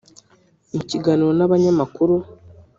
mu ikiganiro n’abanyamakuru